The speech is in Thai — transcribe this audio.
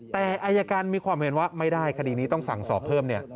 แต่อายการมีความเห็นว่าไม่ได้คดีนี้ต้องสั่งสอบเพิ่มเนี่ย